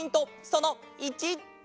その１！